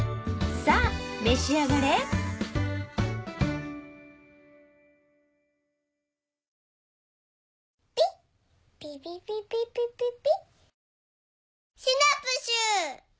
さぁ召し上がれピッピピピピピピピ。